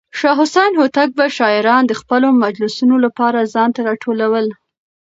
شاه حسين هوتک به شاعران د خپلو مجلسونو لپاره ځان ته راټولول.